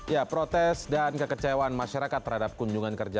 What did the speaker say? ya protes dan kekecewaan masyarakat terhadap kunjungan kerja